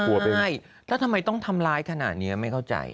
ว่าทำไมต้องทำร้ายขนาดเนี้ยไม่เข้าใจ